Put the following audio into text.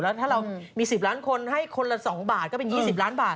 แล้วถ้าเรามี๑๐ล้านคนให้คนละ๒บาทก็เป็น๒๐ล้านบาท